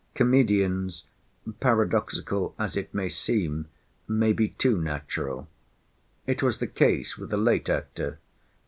Comedians, paradoxical as it may seem, may be too natural. It was the case with a late actor.